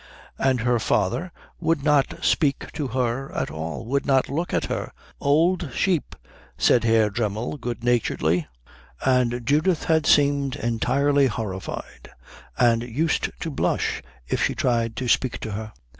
And her father would not speak to her at all, would not look at her. "Old sheep," said Herr Dremmel good naturedly. And Judith had seemed entirely horrified, and used to blush if she tried to speak to her.